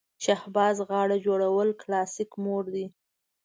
شهبازي غاړه جوړول کلاسیک موډ دی.